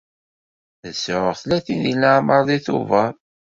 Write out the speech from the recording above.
Ad sɛuɣ tlatin deg leɛmer deg Tubeṛ.